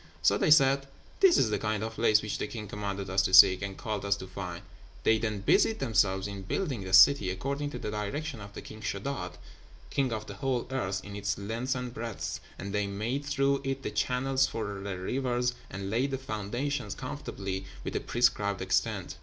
So they said, "This is the kind of place which the king commanded us to seek, and called us to find." They then busied themselves in building the city according to the direction of the King Sheddád, king of the whole earth, in its length and breadth; and they made through it the channels for the rivers, and laid the foundations conformably with the prescribed extent.